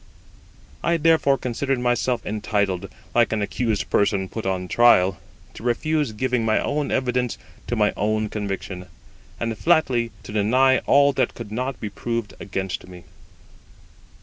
I therefore considered myself entitled, like an accused person put upon trial, to refuse giving my own evidence to my own conviction, and flatly to deny all that could not be proved against me.